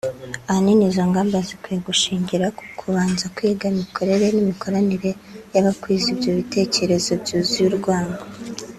Ahanini izo ngamba zikwiye gushingira ku kubanza kwiga imikorere n’imikoranire y’abakwiza ibyo bitekerezo byuzuye urwango